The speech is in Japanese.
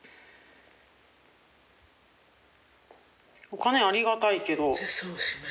お金ありがたいけど。